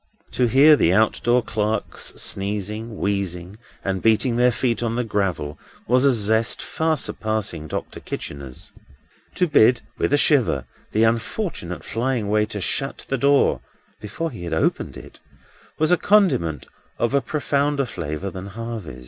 To hear the out door clerks sneezing, wheezing, and beating their feet on the gravel was a zest far surpassing Doctor Kitchener's. To bid, with a shiver, the unfortunate flying waiter shut the door before he had opened it, was a condiment of a profounder flavour than Harvey.